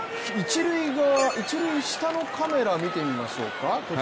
一塁下のカメラを見てみましょうか。